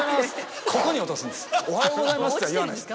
「おはようございます」とは言わないです。